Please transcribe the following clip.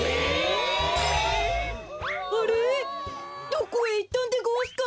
どこへいったんでごわすか？